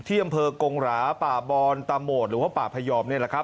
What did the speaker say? ที่อำเภอกงหราป่าฯบอนตามโหมดหรือว่าป่าพยอม